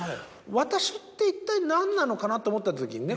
私って一体何なのかなと思ったときにね。